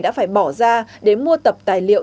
đã phải bỏ ra để mua tập tài liệu